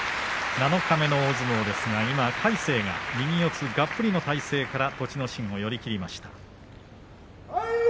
七日目の大相撲ですが今、魁聖が右四つがっぷりの体勢から栃ノ心を寄り切りました。